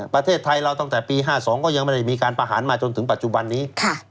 ประเทศไทยเราตั้งแต่ปี๕๒ก็ยังไม่ได้มีการประหารมาจนถึงปัจจุบันนี้